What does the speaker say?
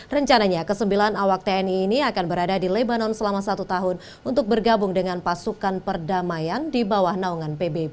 rencananya kesembilan awak tni ini akan berada di lebanon selama satu tahun untuk bergabung dengan pasukan perdamaian di bawah naungan pbb